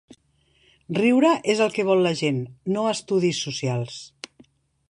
Riure és el que vol la gent, no estudis socials.